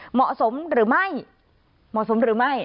เหมาะสมหรือไม่